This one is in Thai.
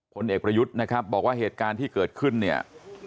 เอกประยุทธ์นะครับบอกว่าเหตุการณ์ที่เกิดขึ้นเนี่ย